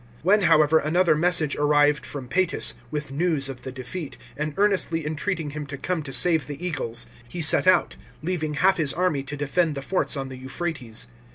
When, however, another message arrived from Psetus, with news of the defeat, and earnestly entreating him to come to save the eagles, he set out, leaving half his army to defend the forts on the Euphrates.